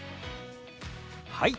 はい！